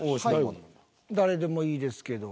誰でもいいですけど。